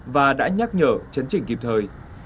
và đã nhắc nhở chấn chỉnh kịp thời